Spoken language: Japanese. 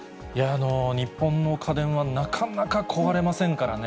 日本の家電はなかなか壊れませんからね。